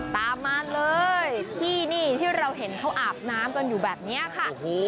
ตามมาเลยที่นี่ที่เราเห็นเขาอาบน้ำกันอยู่แบบนี้ค่ะ